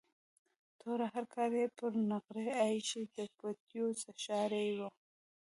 توره هرکاره یې پر نغري ایښې، د پوټیو څښاری و.